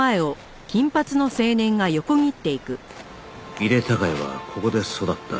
井手孝也はここで育った